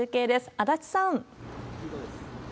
足立さん。